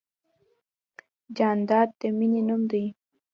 جانداد د مینې نوم دی.